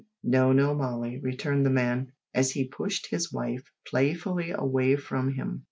"No, no, Molly," returned the man, as he pushed his wife playfully away from him.